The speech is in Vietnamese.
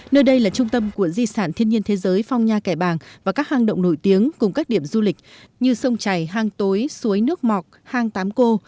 nơi đây là trung tâm của di sản thiên nhiên thế giới phong nha kẻ bàng và các hang động nổi tiếng cùng các điểm du lịch như sông chảy hang tối suối nước mọc hang tám cô